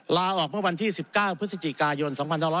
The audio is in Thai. ลาออกเมื่อวันที่๑๙พฤศจิกายน๒๕๖๐